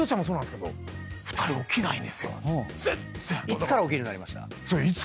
いつから起きるようになった？